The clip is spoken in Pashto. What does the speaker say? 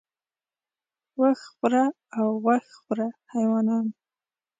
وښ خوره او غوښ خوره حیوانان